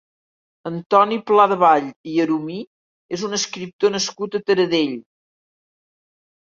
Antoni Pladevall i Arumí és un escriptor nascut a Taradell.